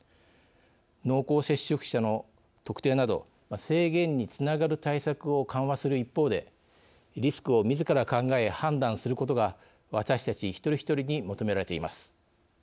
濃厚接触者の特定など制限につながる対策を緩和する一方でリスクをみずから考え判断することが、私たち一人一人に求められています。